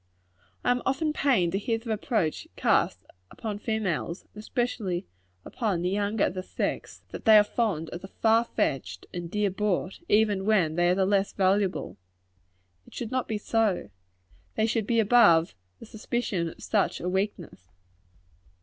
I am often pained to hear the reproach cast upon females, and especially upon the younger of the sex, that they are fond of the "far fetched" and "dear bought," even when they are the less valuable. It should not be so. They should be above the suspicion of such a weakness.